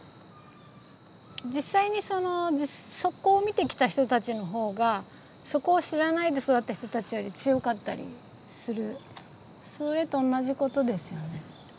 実際にその底を見てきた人たちの方が底を知らないで育った人たちより強かったりするそれと同じことですよね。